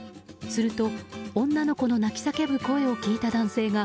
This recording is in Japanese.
すると、女の子の泣き叫ぶ声を聞いた男性が